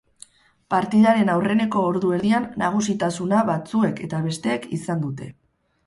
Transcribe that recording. Partidaren aurreneko ordu erdian nagusitasuna batzuek eta besteek izan dute.